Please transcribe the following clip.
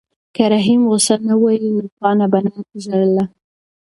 که رحیم غوسه نه وای نو پاڼه به نه ژړله.